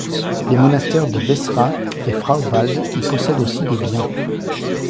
Les monastères de Veßra et Frauenwald y possèdent aussi des biens.